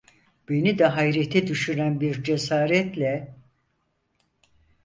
Beni de hayrete düşüren bir cesaretle: